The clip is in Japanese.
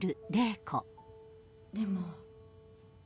でも。